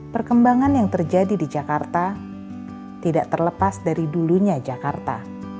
perkembangan yang terjadi di jakarta tidak terlepas dari dulunya jakarta